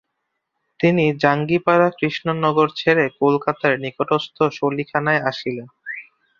তিনি জাঙ্গিপাড়া-কৃষ্ণনগর ছেড়ে কলকাতার নিকটস্থ সালিখায় আসেন।